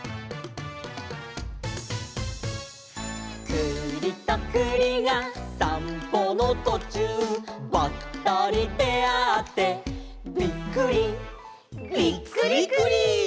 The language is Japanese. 「くりとくりがさんぽのとちゅう」「ばったりであってびっくり」「びっくりくり」